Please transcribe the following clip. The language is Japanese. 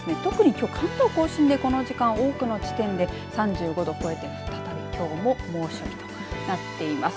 きょう関東甲信でこの時間多くの地点で３５度を超えてきょうも猛暑日となっています。